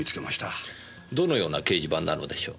どのような掲示板なのでしょう。